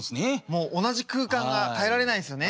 もう同じ空間が耐えられないんですよね。